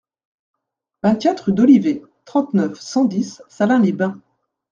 vingt-quatre rue d'Olivet, trente-neuf, cent dix, Salins-les-Bains